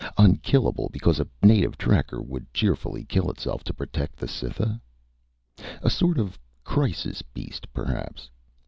Unkillable because a native tracker would cheerfully kill itself to protect the Cytha? A sort of crisis beast, perhaps?